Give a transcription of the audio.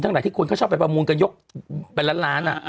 ทั้งหลักที่คุณเขาชอบไปประมูลกันยกเป็นล้านล้าน